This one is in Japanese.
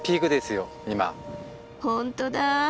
本当だ！